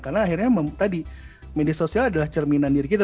karena akhirnya tadi media sosial adalah cerminan diri kita